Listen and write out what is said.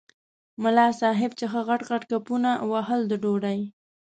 ملا صاحب چې ښه غټ غټ کپونه وهل د ډوډۍ.